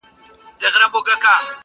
• ځمه له سبا سره مېلمه به د خزان یمه -